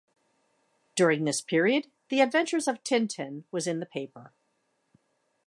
During this period "The Adventures of Tintin" was in the paper.